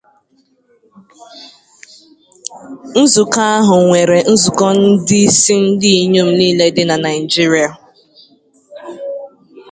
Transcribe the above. Nzukọ ahụ nwere nzukọ ndị isi ndị inyom niile dị na Naijiria.